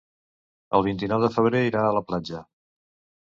El vint-i-nou de febrer irà a la platja.